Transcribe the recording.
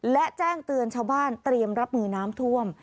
และแจ้งเตือนชาวบ้านเตรียมรับมือน้ำท่วม